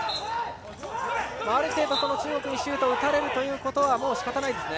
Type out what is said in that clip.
ある程度、中国にシュートを打たれるということは仕方ないですね。